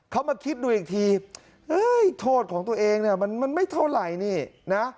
เขามาคิดดูอีกทีเฮ้ยโทษของตัวเองเนี่ยมันไม่เท่าไหร่นี่นะ